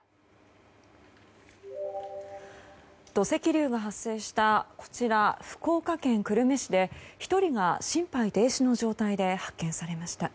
土石流が発生したこちら、福岡県久留米市で１人が心肺停止の状態で発見されました。